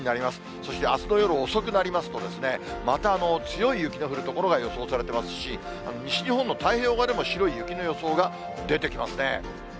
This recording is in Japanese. そしてあすの夜遅くなりますと、また強い雪の降る所が予想されてますし、西日本の太平洋側でも白い雪の予想が出てきますね。